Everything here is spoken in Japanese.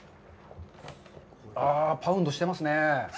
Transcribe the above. ああ、パウンドしていますね。